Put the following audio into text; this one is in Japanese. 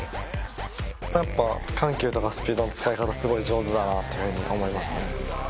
やっぱ緩急とかスピードの使い方すごい上手だなっていうふうに思いますね。